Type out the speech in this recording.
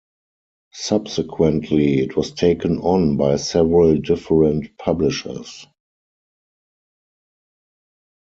Subsequently, it was taken on by several different Publishers.